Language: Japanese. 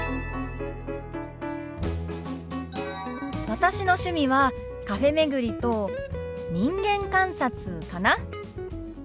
私の趣味はカフェ巡りと人間観察かな。